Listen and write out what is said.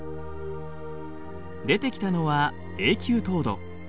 出てきたのは永久凍土。